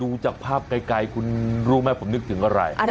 ดูจากภาพไกลคุณรู้ไหมผมนึกถึงอะไร